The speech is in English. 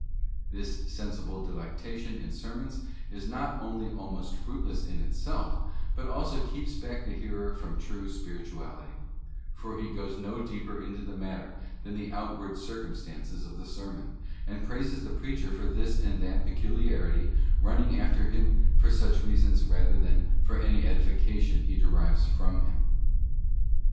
This sensible delectation in sermons is not only almost fruitless in itself, but it also keeps back the hearer from true spirituality; for he goes no deeper into the matter than the outward circumstances of the sermon, and praises the preacher for this and that peculiarity, running after him for such reasons rather than for any edification he derives from him.